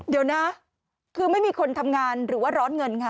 เดี๋ยวนะคือไม่มีคนทำงานหรือว่าร้อนเงินค่ะ